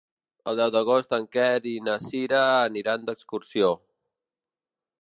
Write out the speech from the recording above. El deu d'agost en Quer i na Cira aniran d'excursió.